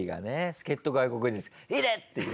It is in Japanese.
助っ人外国人「痛っ！」って言う。